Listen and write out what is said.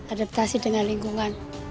adaptasi dengan lingkungan